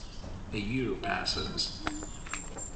A year passes.